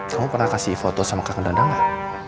kamu pernah kasih foto sama kang dadang gak